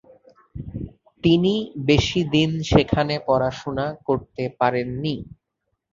তিনি বেশি দিন সেখানে পড়াশুনা করতে পারেননি।